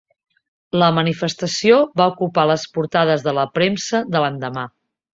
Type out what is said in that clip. La manifestació va ocupar les portades de la premsa de l'endemà.